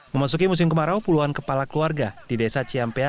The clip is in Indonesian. memasuki musim kemarau puluhan kepala keluarga di desa ciampea